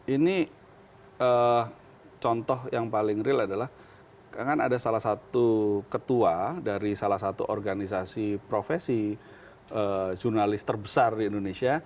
ini contoh yang paling real adalah kan ada salah satu ketua dari salah satu organisasi profesi jurnalis terbesar di indonesia